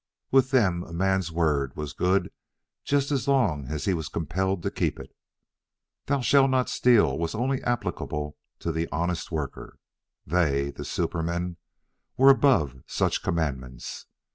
With them, a man's word was good just as long as he was compelled to keep it. THOU SHALT NOT STEAL was only applicable to the honest worker. They, the supermen, were above such commandments.